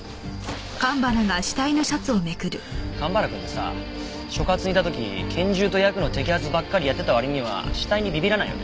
蒲原くんってさ所轄いた時拳銃とヤクの摘発ばっかりやってた割には死体にビビらないよね。